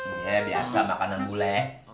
iya biasa makanan bule